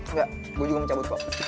enggak gue juga mau cabut kok